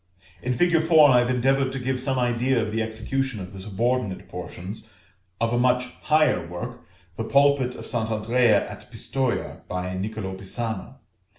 In fig. 4 I have endeavored to give some idea of the execution of the subordinate portions of a much higher work, the pulpit of St. Andrea at Pistoja, by Nicolo Pisano.